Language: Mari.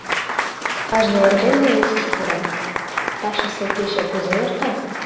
Кажне эрдене ушыш пура: «Тачысе кече кузе эрта?